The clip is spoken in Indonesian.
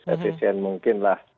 efficient mungkin lah